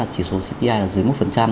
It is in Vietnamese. chỉ số cpi dưới một